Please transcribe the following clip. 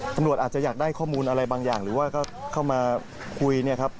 ตำรวจอาจจะอยากได้ข้อมูลอะไรบางอย่างหรือว่าก็เข้ามาคุยเนี่ยครับ